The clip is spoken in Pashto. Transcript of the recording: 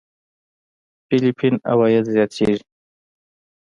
فېليپين عوايد زياتېږي.